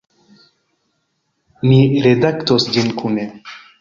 Ni redaktos ĝin kune.